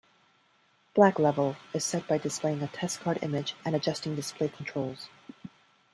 Black level is set by displaying a testcard image and adjusting display controls.